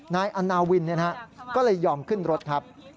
นายอาณาวินนะครับก็เลยยอมขึ้นรถครับ